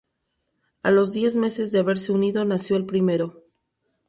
A los diez meses de haberse unido nació el primero.